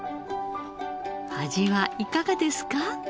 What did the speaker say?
味はいかがですか？